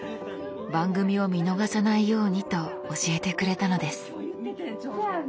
番組を見逃さないようにと教えてくれたのです。